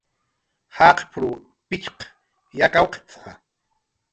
"Jaqp""rw p""itx""q yakawt""a "